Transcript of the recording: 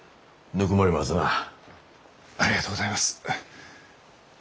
ありがとうございます。